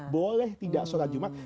boleh tidak sholat jumat